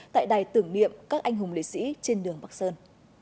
tại đài tưởng niệm các anh hùng lễ sĩ trên đường bắc sơn